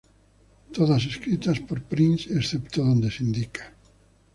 Todas escritas por Prince, excepto donde se indica.